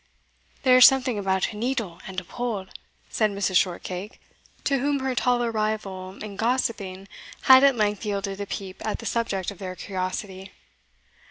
"There's something about a needle and a pole," said Mrs. Shortcake, to whom her taller rival in gossiping had at length yielded a peep at the subject of their curiosity.